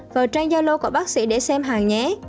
vào trang yolo của bác sĩ để xem hàng nhé